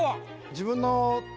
自分の。